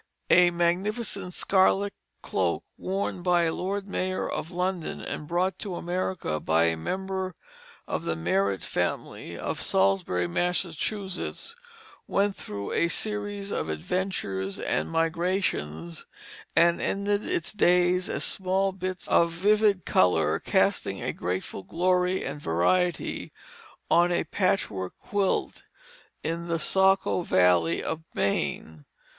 A magnificent scarlet cloak worn by a lord mayor of London and brought to America by a member of the Merritt family of Salisbury, Massachusetts, went through a series of adventures and migrations, and ended its days as small bits of vivid color casting a grateful glory and variety on a patchwork quilt in the Saco valley of Maine.